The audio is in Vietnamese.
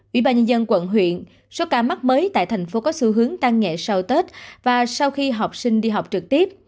ủy ban nhân dân quận huyện số ca mắc mới tại thành phố có xu hướng tăng nhẹ sau tết và sau khi học sinh đi học trực tiếp